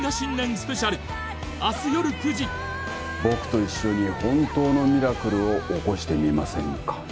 僕と一緒に本当のミラクルを起こしてみませんか？